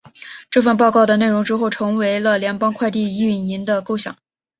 这份报告的内容之后成为了联邦快递营运的构想。